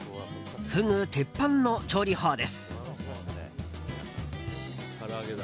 フグ鉄板の調理法です。